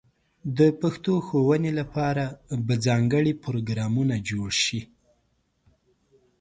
د پښتو ښوونې لپاره به ځانګړې پروګرامونه جوړ شي.